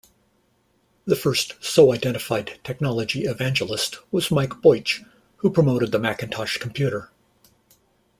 The first so-identified technology evangelist was Mike Boich - who promoted the Macintosh computer.